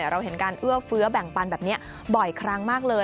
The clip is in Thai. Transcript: เราเห็นการเอื้อเฟื้อแบ่งปันแบบนี้บ่อยครั้งมากเลย